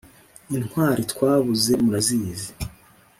Intwari twabuze murazizi